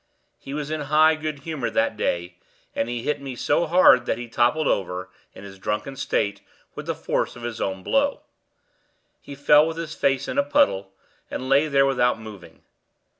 He was in high good humor that day, and he hit me so hard that he toppled over, in his drunken state, with the force of his own blow. He fell with his face in a puddle, and lay there without moving.